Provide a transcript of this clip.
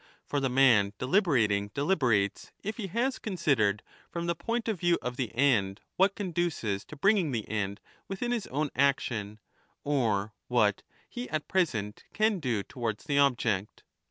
For the man deliberat ing deliberates if he has considered, from the point of view of the end, v/hat ^ conduces to bringing the end within his own action, or what he at present can do towards the object.